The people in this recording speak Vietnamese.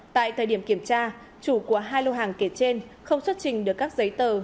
tại thời điểm kiểm tra chủ của hai lô hàng kể trên không xuất trình được các giấy tờ